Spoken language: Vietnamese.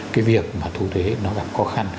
cái việc mà thu thế nó gặp khó khăn